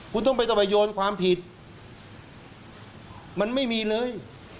คุณต้องไปต้องไปโยนความผิดมันไม่มีเลย